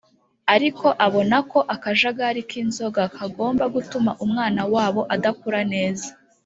ariko abonako akajagari k’inzoga kagom- ba gutuma umwana wabo adakura neza.